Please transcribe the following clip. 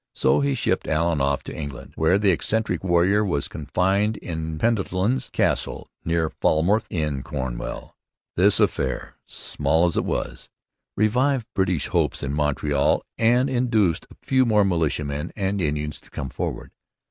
So he shipped Allen off to England, where that eccentric warrior was confined in Pendennis Castle near Falmouth in Cornwall. This affair, small as it was, revived British hopes in Montreal and induced a few more militiamen and Indians to come forward.